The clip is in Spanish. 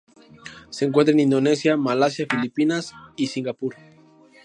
Se encuentra en Indonesia, Malasia, Filipinas y Singapur.